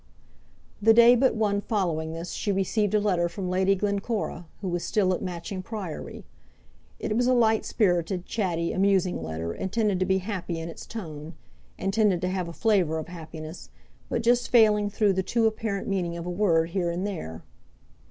The day but one following this she received a letter from Lady Glencora, who was still at Matching Priory. It was a light spirited, chatty, amusing letter, intended to be happy in its tone, intended to have a flavour of happiness, but just failing through the too apparent meaning of a word here and there.